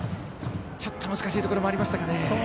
ちょっと難しいところがありましたかね。